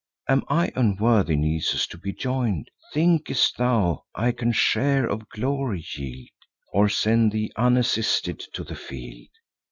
Am I unworthy, Nisus, to be join'd? Think'st thou I can my share of glory yield, Or send thee unassisted to the field?